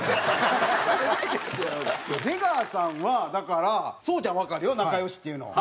出川さんはだから創ちゃんはわかるよ仲良しっていうの。